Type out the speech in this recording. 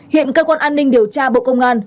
hiện cơ quan an ninh điều tra bộ công an